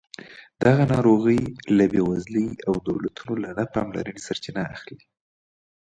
دغه ناروغۍ له بېوزلۍ او دولتونو له نه پاملرنې سرچینه اخلي.